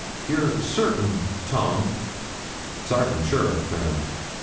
'You're certain, Tom?' 'Sartin sure, ma'am.'